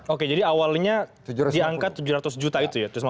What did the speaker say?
oke jadi awalnya diangkat tujuh ratus juta itu ya